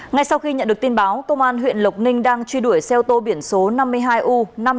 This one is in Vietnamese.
ngay sau khi nhận được tin báo công an huyện lộc ninh đang truy đuổi xe ô tô biển số năm mươi hai u năm nghìn năm trăm hai mươi bảy